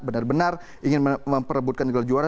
benar benar ingin memperebutkan gelar juara